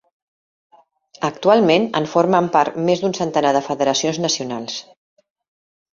Actualment en formen part més d'un centenar de federacions nacionals.